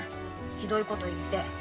ひどいこと言って。